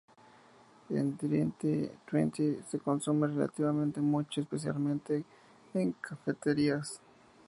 En Drente y Twente se consume relativamente mucho, especialmente en cafeterías.